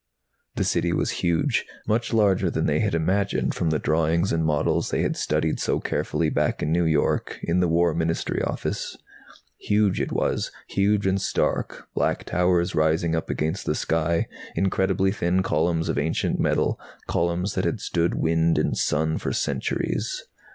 The City was huge, much larger than they had imagined from the drawings and models they had studied so carefully back in New York, in the War Ministry Office. Huge it was, huge and stark, black towers rising up against the sky, incredibly thin columns of ancient metal, columns that had stood wind and sun for centuries.